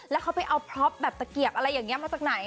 แล้วเขาไปเอาแปรปแบบตะเกียบอะไรอย่างเงี้ยมาตรงไหน